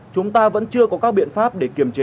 chúng ta vẫn chưa có các biện pháp để kiềm chế